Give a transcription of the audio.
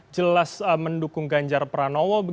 jelas mendukung ganjar pranowo